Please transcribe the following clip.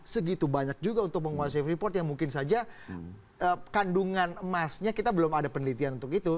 segitu banyak juga untuk menguasai freeport yang mungkin saja kandungan emasnya kita belum ada penelitian untuk itu